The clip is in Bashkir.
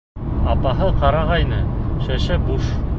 Апаһы ҡарағайны, шешә буш...